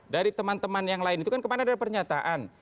dari teman teman yang lain itu kan kemarin ada pernyataan